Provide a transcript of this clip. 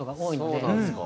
そうなんですか。